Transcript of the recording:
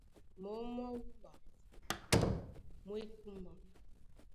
Mǒm mwá wúɓa mú e kúmba.